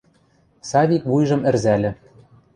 Савик вуйжым ӹрзӓльӹ.